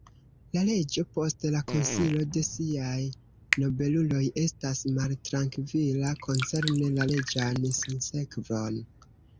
La reĝo post la konsilo de siaj nobeluloj estas maltrankvila koncerne la reĝan sinsekvon.